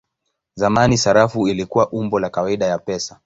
Zamani sarafu ilikuwa umbo la kawaida ya pesa.